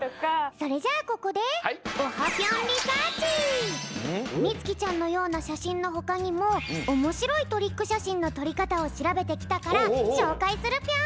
それじゃあここでみつきちゃんのようなしゃしんのほかにもおもしろいトリックしゃしんのとりかたをしらべてきたからしょうかいするぴょん！